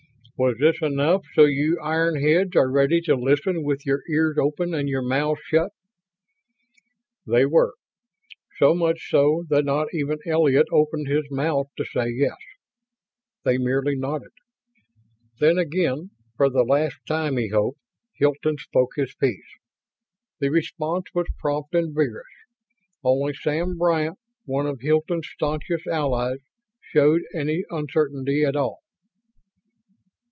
Was this enough so you iron heads are ready to listen with your ears open and your mouths shut?" They were. So much so that not even Elliott opened his mouth to say yes. They merely nodded. Then again for the last time, he hoped! Hilton spoke his piece. The response was prompt and vigorous. Only Sam Bryant, one of Hilton's staunchest allies, showed any uncertainty at all.